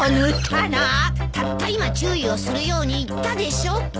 たった今注意をするように言ったでしょ。